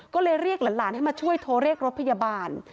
ก็เลยเรียกหลานให้มาช่วยโทรเรียกรถพยาบาล